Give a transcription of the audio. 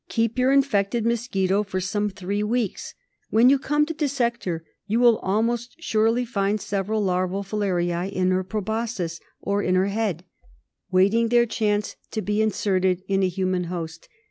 Keep your infected mosquito for some three weeks. When you come to dissect her you will almost surely find several larval filariae in her proboscis, or in her head, waiting RELATIVE IMMUNITY. 2ig their chance to he inserted in a human host.